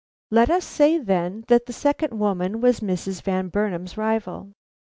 Let us say, then, that the second woman was Mrs. Van Burnam's rival.